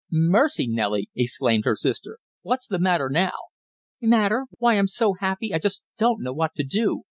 "Mercy, Nellie!" exclaimed her sister. "What's the matter now?" "Matter? Why, I'm so happy I just don't know what to do!